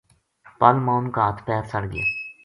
پل ما انھ کا ہتھ پیر سڑ گیا